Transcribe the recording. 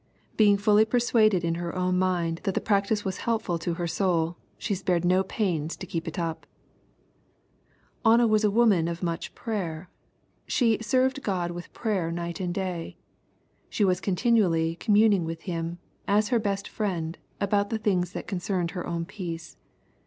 Being fuUy persuaded in her own mind that the practice was helpful to her soul, she spared no pains to keep it up. Anna was a woman of much prayer. She " served God with prayer night and day." She was continually communing with him, as her best Friend, about the things that concerned her own peace.